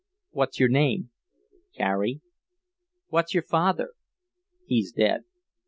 "What's your name?" "Carey." "What's your father?" "He's dead."